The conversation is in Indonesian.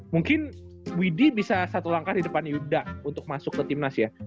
mungkin widhi bisa satu langkah di depan yuda untuk masuk ke timnas ya